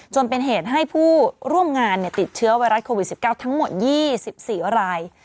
จนเป็นเหตุให้ผู้ร่วมงานติดเชื้อไวรัสโควิด๑๙ทั้งหมด๒๔ราย